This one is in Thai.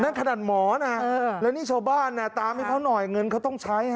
ขนาดหมอนะแล้วนี่ชาวบ้านตามให้เขาหน่อยเงินเขาต้องใช้